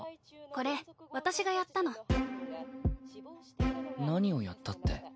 これ私がやったの何をやったって？